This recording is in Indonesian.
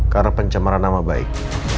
karena pencemaran nama baik